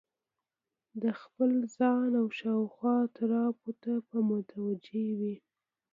د خپل ځان او شاوخوا اطرافو ته به متوجه وي